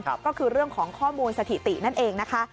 ก็คือเรื่องของข้อมูลสถิตินั่นเองนะคะ